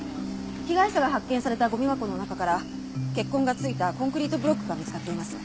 被害者が発見されたゴミ箱の中から血痕が付いたコンクリートブロックが見つかっています。